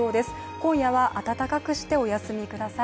今夜は暖かくしておやすみください。